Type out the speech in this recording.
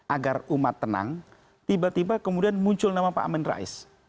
agar umat tenang tiba tiba kemudian muncul nama pak amin rais